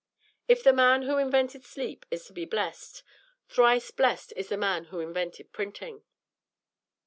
If the man who invented sleep is to be blessed, thrice blessed be the man who invented printing!